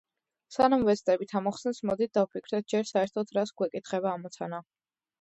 სანამ ვეცდებით ამოხსნას, მოდით დავფიქრდეთ ჯერ საერთოდ რას გვეკითხება ამოცანა.